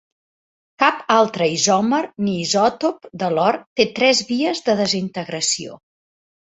Cap altre isòmer ni isòtop de l'or té tres vies de desintegració.